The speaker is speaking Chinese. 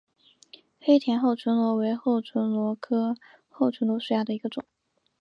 黑田厚唇螺为厚唇螺科厚唇螺属下的一个种。